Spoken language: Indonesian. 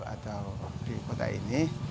atau di kota ini